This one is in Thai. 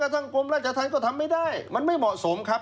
สังคมราชภัณฑ์ก็ทำไม่ได้มันไม่เหมาะสมครับ